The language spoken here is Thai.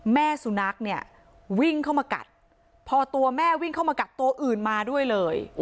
แม่สุนัขเนี่ยวิ่งเข้ามากัดพอตัวแม่วิ่งเข้ามากัดตัวอื่นมาด้วยเลย